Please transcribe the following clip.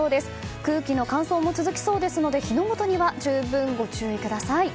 空気の乾燥も続きそうですので火の元には十分ご注意ください。